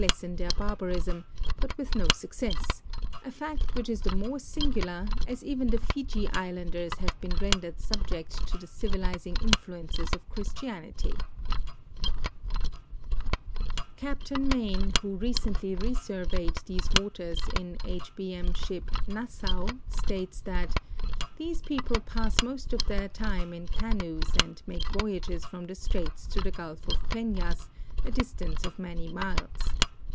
sen their barl)arism, but with no success, a f:vt whi.h is the more singular, as even the 136 WINTER VOYAGE THROUGH STRAITS OF MAGELLAN Fiji Islanders have been rendered subject to the civilizing influ ences of Christianit3\ Captain Mayne, who recently" resurveyed these waters in H. B. M. ship Nassau, states that " these })eople pass most of their time in canoes and make voyages from the straits to the Gulf of Penas, a distance of many miles.